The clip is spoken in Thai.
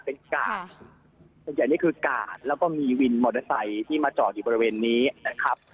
เป็นกาดส่วนใหญ่นี่คือกาดแล้วก็มีวินมอเตอร์ไซค์ที่มาจอดอยู่บริเวณนี้นะครับ